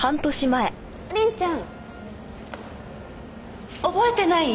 凛ちゃん？覚えてない？